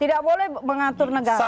tidak boleh mengatur negara